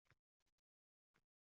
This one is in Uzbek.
Qad tiklashni oʻrgan